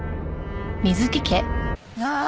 ああ！